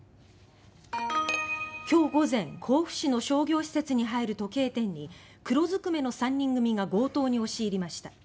今日午前、甲府市の商業施設に入る時計店に黒ずくめの３人組が強盗に押し入りました。